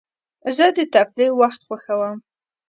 زه د تفریح وخت خوښوم.